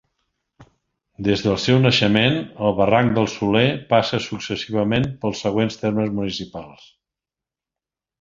Des del seu naixement, el Barranc del Soler passa successivament pels següents termes municipals.